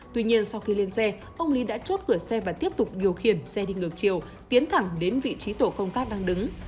tuy nhiên sau khi lên xe ông lý đã chốt cửa xe và tiếp tục điều khiển xe đi ngược chiều tiến thẳng đến vị trí tổ công tác đang đứng